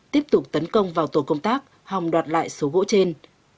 tiếp tục tấn công vào tổ công tác hòng đoạt lại số gỗ trên